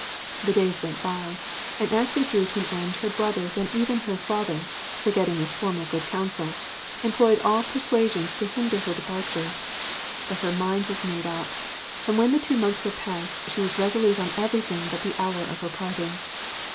The days went by, and as they drew to an end her brothers and even her father (forgetting his former good counsel) employed all persuasions to hinder her departure. But her mind was made up; and when the two months were passed she was resolute on everything but the hour of her parting.